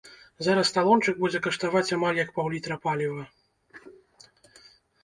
Зараз талончык будзе каштаваць амаль як паўлітра паліва!